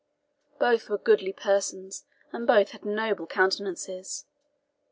Both were goodly persons, and both had noble countenances.